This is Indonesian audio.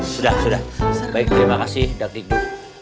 sudah sudah baik terima kasih david